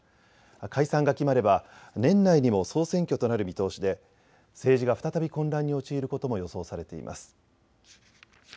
解散が決まれば、年内にも総選挙となる見通しで政治が再び混乱に陥ることも予想されています。